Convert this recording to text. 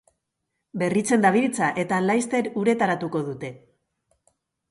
Berritzen dabiltza, eta laister uretaratuko dute.